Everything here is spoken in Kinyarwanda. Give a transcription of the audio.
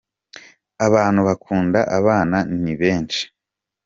abantu bakunda abana nibenshi